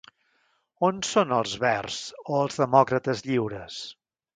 On són els verds o els demòcrates lliures?